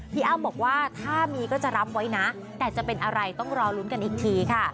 อ้ำบอกว่าถ้ามีก็จะรับไว้นะแต่จะเป็นอะไรต้องรอลุ้นกันอีกทีค่ะ